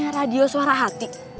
amirah itu semua lo gede